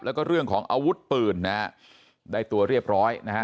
แล้วก็เรื่องของอาวุธปืนนะฮะได้ตัวเรียบร้อยนะฮะ